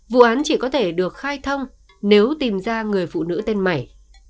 vụ án chỉ có thể được khai thông nếu tìm ra người phụ nữ tên mẩy